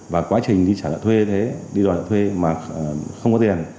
và quá trình đi trả lợi thuê đi đòi thuê mà không có tiền